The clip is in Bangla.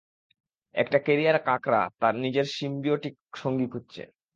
একটা ক্যারিয়ার কাঁকড়া তার নিজের সিম্বিওটিক সঙ্গী খুঁজছে।